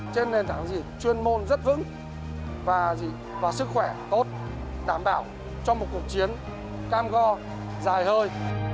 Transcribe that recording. trên nền tảng chuyên môn rất vững và sức khỏe tốt đảm bảo cho một cuộc chiến cam go dài hơi